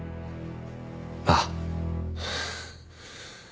ああ。